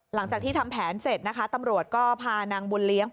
หลังจากที่ทำแผนเสร็จนะคะตำรวจก็พานางบุญเลี้ยง